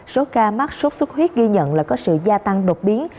số ca mắc sốt xuất huyết ghi nhận là có sự gia tăng đột biến